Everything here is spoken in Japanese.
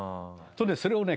それをね